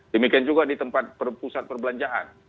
demikian juga di tempat pusat perbelanjaan